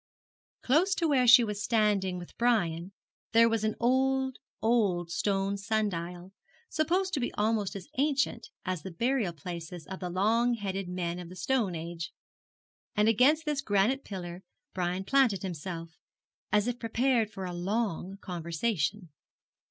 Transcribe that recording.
Close to where she was standing with Brian there was an old, old stone sundial, supposed to be almost as ancient as the burial places of the long headed men of the stone age; and against this granite pillar Brian planted himself, as if prepared for a long conversation.